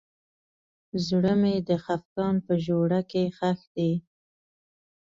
زړه مې د خفګان په ژورو کې ښخ دی.